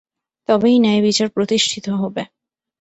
তবেই ন্যায়বিচার প্রতিষ্ঠিত হবে!